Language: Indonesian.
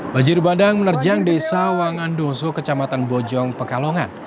banjir bandang menerjang desa wangandoso kecamatan bojong pekalongan